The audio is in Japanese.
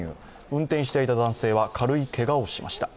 運転していた男性は軽いけがをしました。